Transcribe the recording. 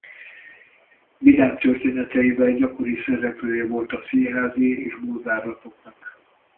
Vidám történeteivel gyakori szereplője volt a színházi és bulvárlapoknak.